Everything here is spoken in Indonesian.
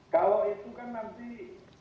kalau itu kan nanti